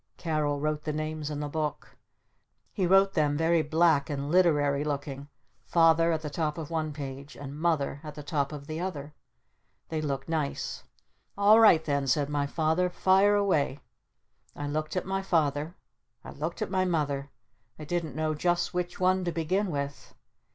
Carol wrote the names in the Book. He wrote them very black and literary looking. "Father" at the top of one page. And "Mother" at the top of the other. They looked nice. "All right then," said my Father. "Fire away!" I looked at my Father. I looked at my Mother. I didn't know just which one to begin with.